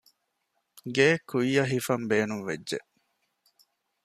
ގެއެއްކުއްޔަށް ހިފަން ބޭނުންވެއްޖެ